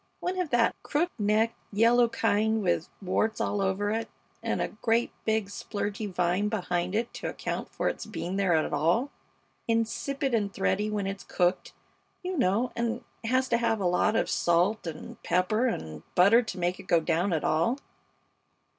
One of that crook necked, yellow kind with warts all over it, and a great, big, splurgy vine behind it to account for its being there at all. Insipid and thready when it's cooked, you know, and has to have a lot of salt and pepper and butter to make it go down at all.